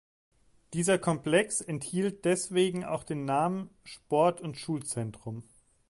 Dieser Komplex enthielt deswegen auch den Namen "Sport- und Schulzentrum".